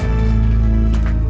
terima kasih pak